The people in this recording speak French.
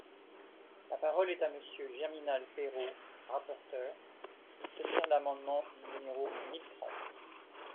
La parole est à Monsieur Germinal Peiro, rapporteur, pour soutenir l’amendement numéro mille trente.